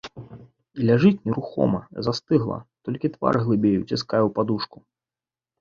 І ляжыць нерухома, застыгла, толькі твар глыбей уціскае ў падушку.